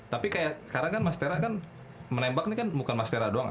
tapi sekarang kan mas tera kan menembak bukan mas tera doang